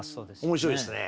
面白いですね。